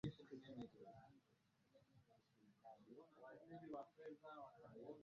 Mlangali Masimbwe Mkiu Ulayasi Lupanga Madilu nakadhalika kuelekea Njombe Chanzo cha wao kuwa karibukaribu